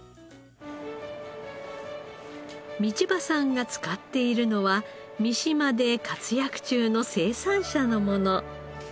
道場さんが使っているのは三島で活躍中の生産者のもの。